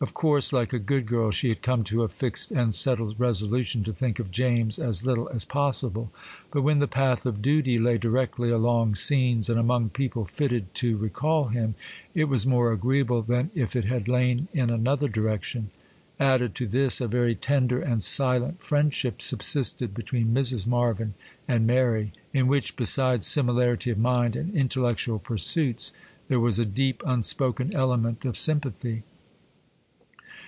Of course, like a good girl, she had come to a fixed and settled resolution to think of James as little as possible; but when the path of duty lay directly along scenes and among people fitted to recall him, it was more agreeable than if it had lain in another direction. Added to this, a very tender and silent friendship subsisted between Mrs. Marvyn and Mary; in which, besides similarity of mind and intellectual pursuits, there was a deep, unspoken element of sympathy.